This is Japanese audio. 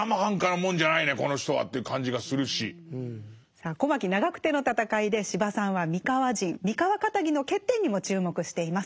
さあ小牧・長久手の戦いで司馬さんは三河人三河かたぎの欠点にも注目しています。